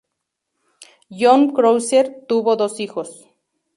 John Crozier tuvo dos hijos.